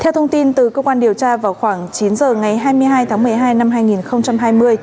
theo thông tin từ cơ quan điều tra vào khoảng chín giờ ngày hai mươi hai tháng một mươi hai năm hai nghìn hai mươi